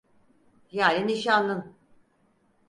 Yani nişanlın.